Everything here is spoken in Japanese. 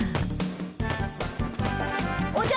おじゃ。